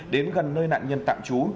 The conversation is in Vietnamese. đến gần nơi nạn nhân tạm trú